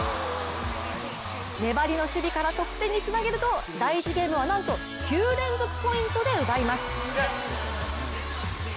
粘りの守備から得点につなげると、第１ゲームはなんと９連続ポイントで奪います。